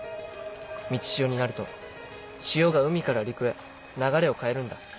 満ち潮になると潮が海から陸へ流れを変えるんだ。